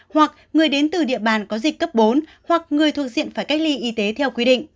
hoặc người đến từ địa bàn có dịch cấp bốn hoặc người thuộc diện phải cách ly y tế theo quy định